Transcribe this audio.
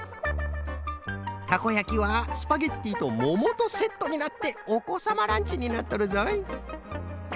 たこやきはスパゲッティとももとセットになっておこさまランチになっとるぞい。